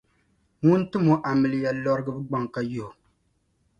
ŋun timi o amiliya lɔrigibu gbaŋ ka yihi o.